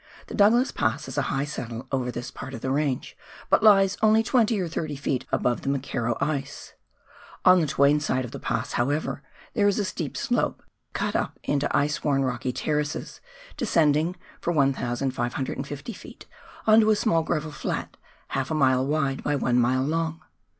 The Douglas Pass is a high saddle over this part of the range, but lies only 20 or 30 ft. above the McKerrow ice. On the Twain side of the Pass, however, there is a steep slope cut up into ice worn, rocky terraces, descending for 1,550 ft. on to a small gravel flat half a mile wide by one mile long.